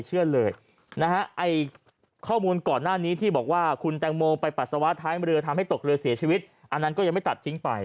เชื่อเลยนะฮะไอ้ข้อมูลก่อนหน้านี้ที่บอกว่าคุณแตงโมไปปัสสาวะท้ายเรือทำให้ตกเรือเสียชีวิตอันนั้นก็ยังไม่ตัดทิ้งไป